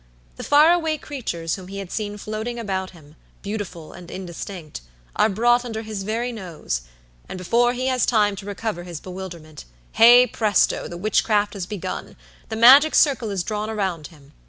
The far away creatures whom he had seen floating about him, beautiful and indistinct, are brought under his very nose; and before he has time to recover his bewilderment, hey presto, the witchcraft has begun; the magic circle is drawn around him!